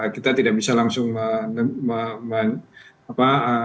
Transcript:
kita tidak bisa langsung